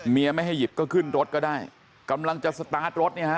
ไม่ให้หยิบก็ขึ้นรถก็ได้กำลังจะสตาร์ทรถเนี่ยฮะ